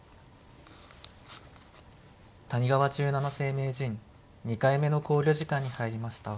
谷川十七世名人２回目の考慮時間に入りました。